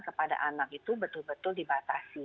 kepada anak itu betul betul dibatasi